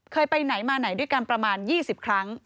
ไปไหนมาไหนด้วยกันประมาณ๒๐ครั้ง